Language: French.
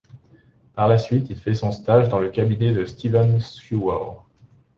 Par la suite, il fait son stage dans le cabinet de Stephen Sewell.